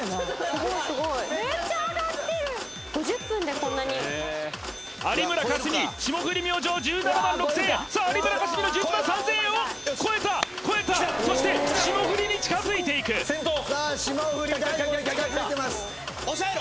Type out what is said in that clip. ５０分でこんなに有村架純霜降り明星１７万６０００円さあ有村架純の１１万３０００円を超えた超えたそして霜降りに近づいていくさあ